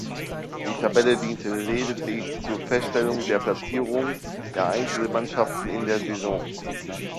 Die Tabelle diente lediglich zur Feststellung der Platzierung der einzelnen Mannschaften in der Saison.